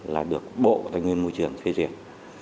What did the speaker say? là được bộ thành nguyên môi trường phê duyệt